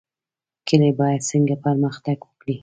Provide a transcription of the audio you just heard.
کلي باید څنګه پرمختګ وکړي؟